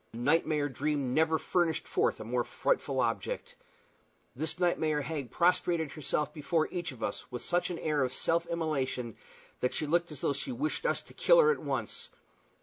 A nightmare dream never furnished forth a more frightful object. This nightmare hag prostrated herself before each of us with such an air of self immolation that she looked as though she wished us to kill her at once.